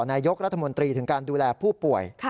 นายกรัฐมนตรีถึงการดูแลผู้ป่วย